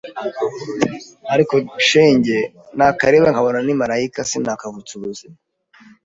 ariko shenge nakareba nkabona ni Malayika sinakavutsa ubuzima